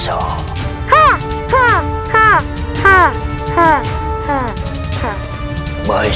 sangat beruntung mahesha